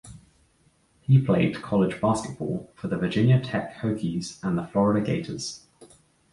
He played college basketball for the Virginia Tech Hokies and the Florida Gators.